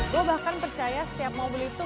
gue bahkan percaya setiap mobil itu